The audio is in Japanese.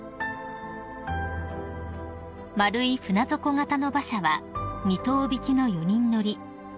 ［丸い船底型の馬車は２頭引きの４人乗り］